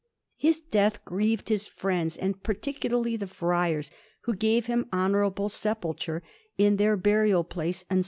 His death grieved his friends, and particularly the friars, who gave him honourable sepulture in their burial place in S.